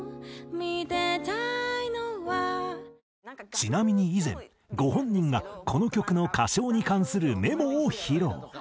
ちなみに以前ご本人がこの曲の歌唱に関するメモを披露。